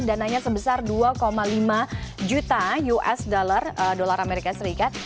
dananya sebesar dua lima juta usd amerika serikat